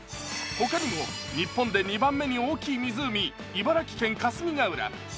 他にも日本で２番目に大きい湖、茨城県・霞ヶ浦。